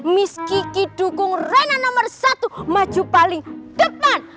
miss kiki dukung reina nomor satu maju paling depan